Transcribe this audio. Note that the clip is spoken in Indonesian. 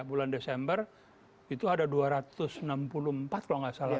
bulan desember itu ada dua ratus enam puluh empat kalau nggak salah